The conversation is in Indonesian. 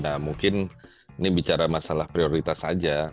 nah mungkin ini bicara masalah prioritas saja